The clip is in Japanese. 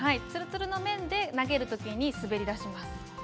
つるつるの面で投げるときに滑り出します。